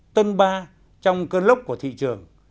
tân ba trong cơn lốc của thị trường